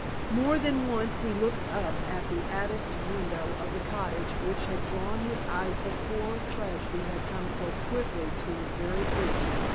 More than once he looked up at the attic window of the cottage which had drawn his eyes before tragedy had come so swiftly to his very feet.